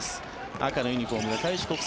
赤のユニホームが開志国際。